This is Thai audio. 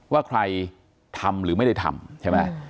ว่าใครทำหรือไม่ได้ทำ